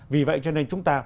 vì vậy cho nên chúng ta